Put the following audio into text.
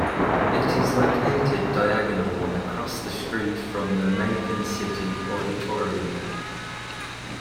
It is located diagonally across the street from the Macon City Auditorium.